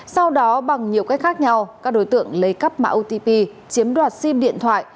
sau đó bằng nhiều cách khác nhau các đối tượng lấy cắp mã otp chiếm đoạt sim điện thoại